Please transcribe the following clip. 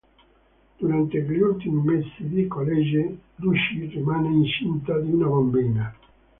Durante gli ultimi mesi di college, Lucy rimane incinta di una bambina.